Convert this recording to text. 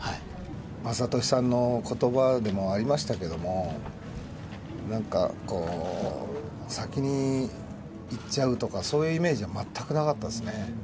雅俊さんのことばでもありましたけども、なんかこう、先に逝っちゃうとか、そういうイメージは全くなかったですね。